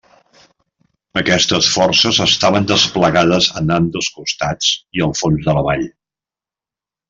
Aquestes forces estaven desplegades en ambdós costats i al fons de la vall.